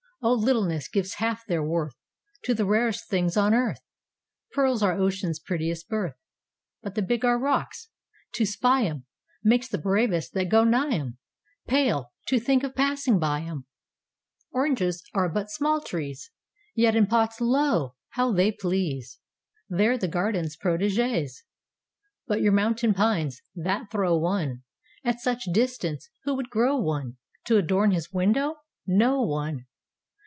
Oh, littleness gives half their worthTo the rarest things on earth! Pearls are ocean's prettiest birth. But the big are rocks. To spy 'emMakes the bravest that go nigh 'emPale, to think of passing by 'em. Oranges are but small trees, Yet in pots, lo! how they please; They're the garden's protégés. But your mountain pines, that throw oneAt such distance, who would grow oneTo adorn his window? No one.